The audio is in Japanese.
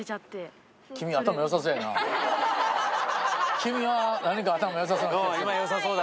君は何か頭良さそうな。